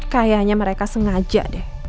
kayaknya mereka sengaja deh